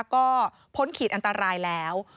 ก็พ้นขีดอันตรายแล้ว